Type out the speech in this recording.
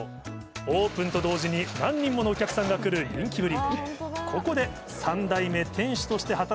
オープンと同時に何人ものお客さんが来る人気ぶり。